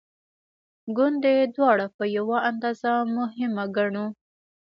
ګوندې دواړه په یوه اندازه مهمه ګڼو.